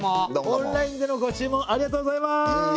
オンラインでのご注文ありがとうございます！